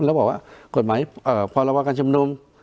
แล้วบอกว่ากฎหมายเอ่อพรวรรภากจำนวม